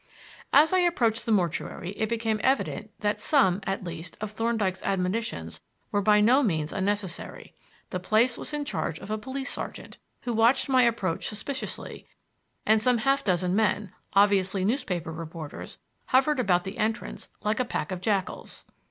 As I approached the mortuary it became evident that some, at least, of Thorndyke's admonitions were by no means unnecessary. The place was in charge of a police sergeant, who watched my approach suspiciously; and some half dozen men, obviously newspaper reporters, hovered about the entrance like a pack of jackals.